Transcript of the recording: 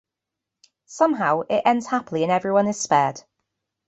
Somehow, it ends happily and everyone is spared.